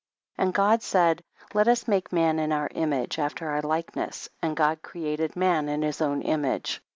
And God said let us make man in our image, after our likeness, and God created man in his own image.